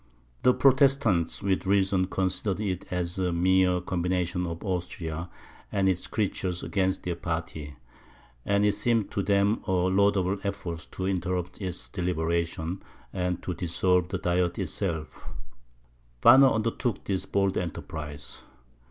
The Protestants, with reason, considered it as a mere combination of Austria and its creatures against their party; and it seemed to them a laudable effort to interrupt its deliberations, and to dissolve the diet itself. Banner undertook this bold enterprise.